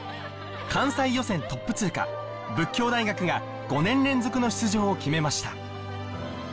関西予選トップ通過佛教大学が５年連続の出場を決めました